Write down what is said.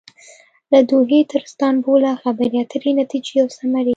له دوحې تر استانبوله خبرې اترې ،نتیجې او ثمرې